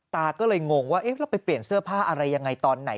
ตาก็เลยงงว่าเอ๊ะเราไปเปลี่ยนเสื้อผ้าอะไรยังไงตอนไหน